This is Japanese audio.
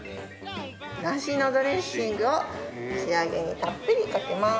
梨のドレッシングを仕上げにたっぷりかけます。